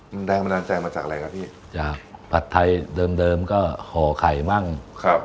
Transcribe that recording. มันแรงบันดาลใจมาจากอะไรครับพี่จ้ะผัดไทยเดิมเดิมก็ห่อไข่มั่งครับ